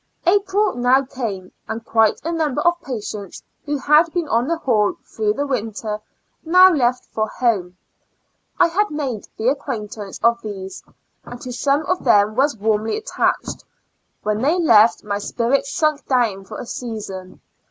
April now came, and quite a number of patients, who had been on the hall through the winter, now left for home. I had made the acquaintance of these, and to some of them was warmly attached; when they left my spirits sunk down for a season.